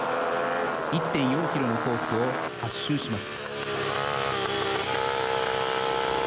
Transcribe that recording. １．４キロのコースを８周します。